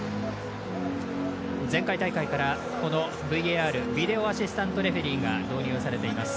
前回大会からＶＡＲ＝ビデオアシスタントレフェリーが導入されています。